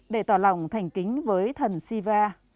để tỏ lòng thành kính với thần shiva